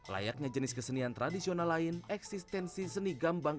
layaknya jenis kesenian tradisional lain eksistensi seni gambang